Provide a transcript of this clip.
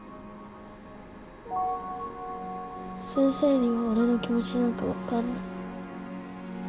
先生には俺の気持ちなんか分かんない。